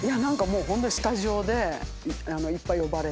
スタジオでいっぱい呼ばれて。